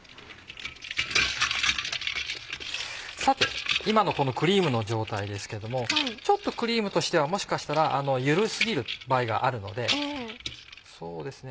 さて今のこのクリームの状態ですけどもちょっとクリームとしてはもしかしたら緩過ぎる場合があるのでそうですね。